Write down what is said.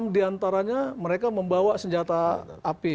enam diantaranya mereka membawa senjata api